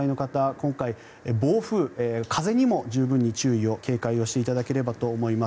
今回、暴風、風にも十分に警戒していただければと思います。